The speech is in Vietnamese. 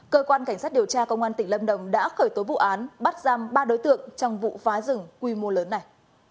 cơ quan cảnh sát điều tra công an tỉnh lâm đồng đã khởi tố vụ án bắt giam ba đối tượng trong vụ phá rừng quy mô lớn này